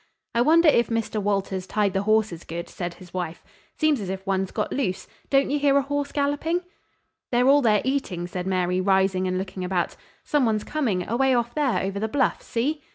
"I wonder if Mr. Walters tied the horses good!" said his wife. "Seems as if one's got loose. Don't you hear a horse galloping?" "They're all there eating," said Mary, rising and looking about. "Some one's coming, away off there over the bluff; see?"